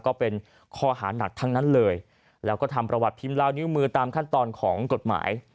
ก็เป็นข้อหานักทั้งนั้นเลยแล้วก็ทำประวัติพิมพ์ลายนิ้วมือตามขั้นตอนของกฎหมาย